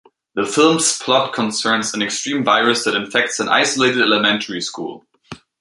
The film's plot concerns an extreme virus that infects an isolated elementary school.